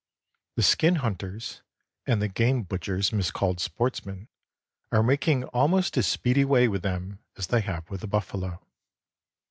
The skin hunters, and the game butchers miscalled sportsmen, are making almost as speedy way with them as they have with the buffalo.